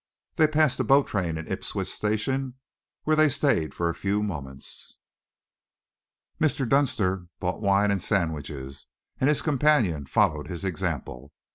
They passed the boat train in Ipswich Station, where they stayed for a few moments. Mr. Dunster bought wine and sandwiches, and his companion followed his example.